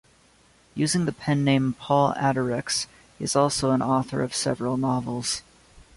Using the pen name Paul Adirex he is also an author of several novels.